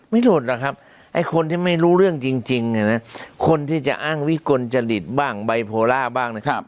ไม่หลุดหรอกครับไอ้คนที่ไม่รู้เรื่องจริงคนที่จะอ้างวิกลจริตบ้างไบโพล่าบ้างนะครับ